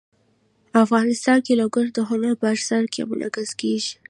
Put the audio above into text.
افغانستان کې لوگر د هنر په اثار کې منعکس کېږي.